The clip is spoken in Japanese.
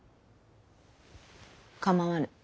構わぬ。